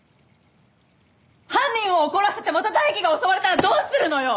犯人を怒らせてまた大樹が襲われたらどうするのよ！